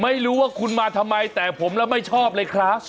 ไม่รู้ว่าคุณมาทำไมแต่ผมแล้วไม่ชอบเลยครับ